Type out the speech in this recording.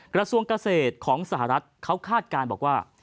กระทรวงเกษตรของสหรัฐเขาคาดการณ์บอกว่า